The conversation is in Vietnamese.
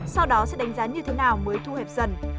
sau đó sẽ đánh giá như thế nào mới thu hẹp dần